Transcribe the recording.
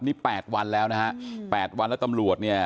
นี่๘วันแล้วนะฮะ๘วันแล้วตำรวจเนี่ย